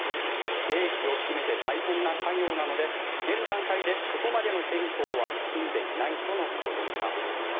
経費を含めて大変な作業なので現段階でそこまでの検討は進んでいないとのことでした。